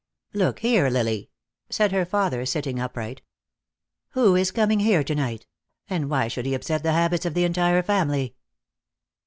"Look here, Lily," said her father, sitting upright. "Who is coming here to night? And why should he upset the habits of the entire family?"